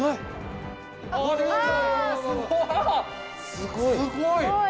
すごい。